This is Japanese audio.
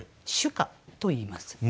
「朱夏」といいます。